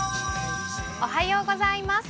おはようございます。